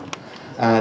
tadi berita terkait